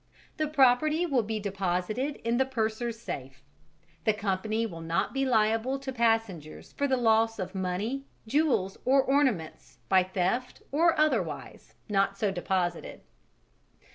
The property will be deposited in the Purser's safe. The Company will not be liable to passengers for the loss of money, jewels, or ornaments, by theft or otherwise, not so deposited."